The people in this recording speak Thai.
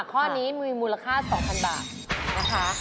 ข้อนี้มีมูลค่า๒๐๐๐บาทนะคะ